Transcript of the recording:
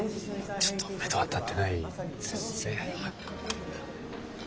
ちょっとめどは立ってないですね。